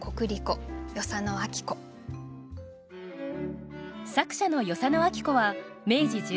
作者の与謝野晶子は明治１１年大阪生まれ。